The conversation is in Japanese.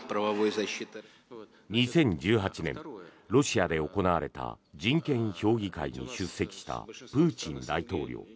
２０１８年、ロシアで行われた人権評議会に出席したプーチン大統領。